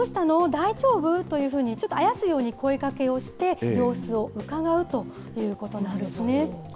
大丈夫？というふうに、ちょっとあやすように声かけをして、様子をうかがうということなんですね。